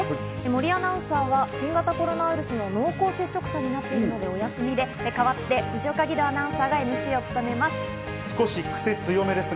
森アナウンサーは新型コロナウイルスの濃厚接触者になっているため、お休みで代わって、辻岡義堂アナウンサーがＭＣを務めます。